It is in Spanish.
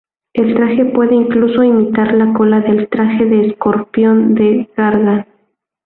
El traje puede incluso imitar la cola del traje de escorpión de Gargan.